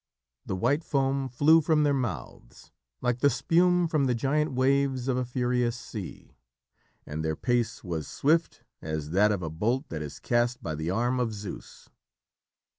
The white foam flew from their mouths like the spume from the giant waves of a furious sea, and their pace was swift as that of a bolt that is cast by the arm of Zeus.